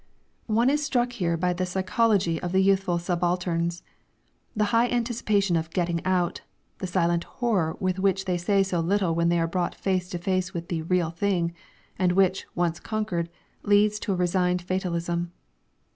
One is struck out here by the psychology of the youthful subalterns. The high anticipation of "getting out," the silent horror of which they say so little when they are brought face to face with the "Real Thing," and which, once conquered, leads to a resigned fatalism.